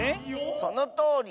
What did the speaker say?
そのとおり。